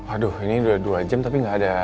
aduh ini udah dua jam tapi gak ada